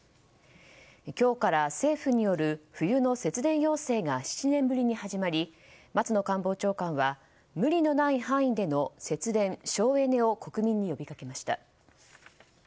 今日から政府による冬の節電要請が７年ぶりに始まり松野官房長官は無理のない範囲での節電・省エネを国民に呼びかけました。